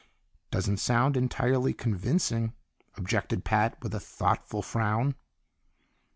"Doesn't sound entirely convincing," objected Pat with a thoughtful frown.